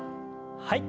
はい。